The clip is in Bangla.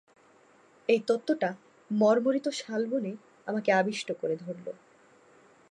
এই তত্ত্বটা মর্মরিত শালবনে আমাকে আবিষ্ট করে ধরল।